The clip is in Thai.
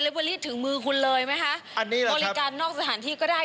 แต่ว่าก็ไม่ค่อยมีคนได้เปิดปง